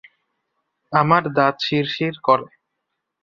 আমার দাঁত শিরশির করে।